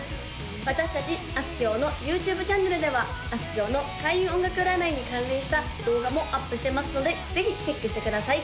私達あすきょうのＹｏｕＴｕｂｅチャンネルではあすきょうの開運音楽占いに関連した動画もアップしてますのでぜひチェックしてください